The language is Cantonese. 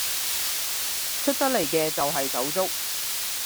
出得嚟嘅就係手足